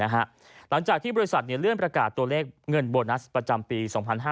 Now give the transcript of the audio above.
หลังจากที่บริษัทเลื่อนประกาศตัวเลขเงินโบนัสประจำปี๒๕๕๙